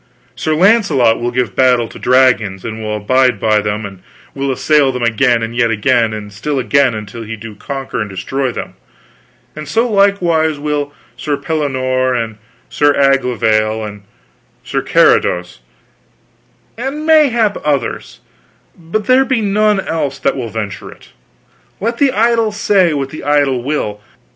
Sir Launcelot will give battle to dragons, and will abide by them, and will assail them again, and yet again, and still again, until he do conquer and destroy them; and so likewise will Sir Pellinore and Sir Aglovale and Sir Carados, and mayhap others, but there be none else that will venture it, let the idle say what the idle will.